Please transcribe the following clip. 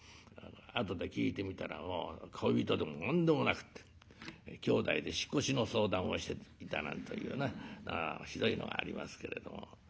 後で聞いてみたら恋人でも何でもなくってきょうだいで引っ越しの相談をしていたなんというなひどいのがありますけれども。